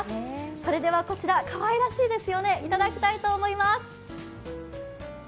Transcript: それではこちら、かわいらしいですよね頂きたいと思います。